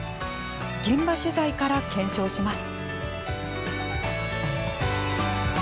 現場取材から検証します。